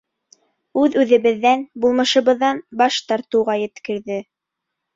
Үҙ-үҙебеҙҙән, булмышыбыҙҙан баш тартыуға еткерҙе...